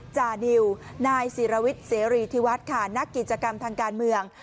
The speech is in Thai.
จานิวนายศิรวิทย์เสรีที่วัดค่ะนักกิจกรรมทางการเมือง